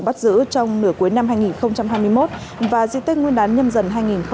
bắt giữ trong nửa cuối năm hai nghìn hai mươi một và di tích nguyên đán nhâm dần hai nghìn hai mươi bốn